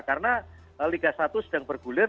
karena liga satu sedang bergulir